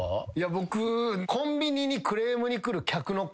僕。